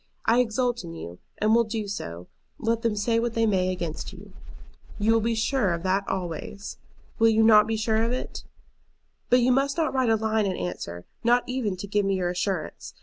I exult in you, and will do so, let them say what they may against you. You will be sure of that always. Will you not be sure of it? "But you must not write a line in answer, not even to give me your assurance.